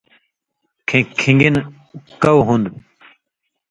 کھیں کِھن٘گی نہ کؤ ہُون٘دوۡ